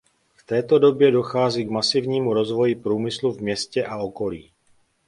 V této době dochází k masivnímu rozvoji průmyslu v městě a okolí.